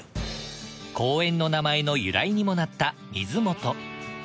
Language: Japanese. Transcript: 公園の名前の由来にもなった水元。